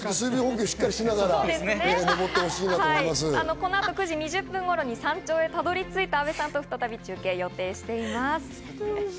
この後９時２０分頃に山頂へとたどり着いた阿部さんと再び中継を予定しています。